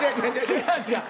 違う違う。